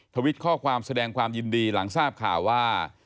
ทวิตข้อความแสดงความยินดีหลังทราบข่าวว่า